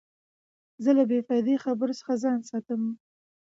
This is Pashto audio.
زه له بې فایدې خبرو څخه ځان ساتم.